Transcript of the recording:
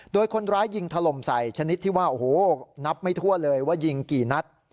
โดยคนร้ายยิงถล่มใส่ชนิดที่ว่าโอ้โหนับไม่ทั่วเลยว่ายิงกี่นัด